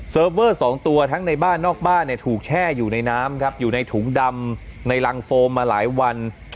เวอร์๒ตัวทั้งในบ้านนอกบ้านเนี่ยถูกแช่อยู่ในน้ำครับอยู่ในถุงดำในรังโฟมมาหลายวัน